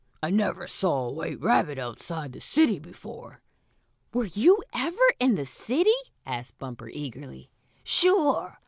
I never saw a white rabbit out of the city before." "Were you ever in the city?" asked Bumper, eagerly. "Sure!